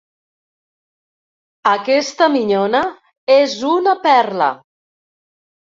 Aquesta minyona és una perla.